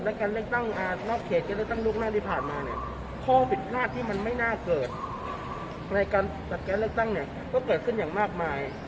และการเลือกตั้งนอกเขตการเลือกตั้งล่วงหน้าที่ผ่านมาเนี่ยข้อผิดพลาดที่มันไม่น่าเกิดในการจัดการเลือกตั้งเนี่ยก็เกิดขึ้นอย่างมากมาย